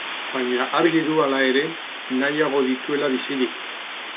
Baina argi du, hala ere, nahiago dituela bizirik.